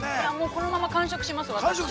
◆このまま完食します、私。